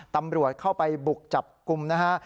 ตำรวจเข้าไปบุกจับกลุ่มนะฮะ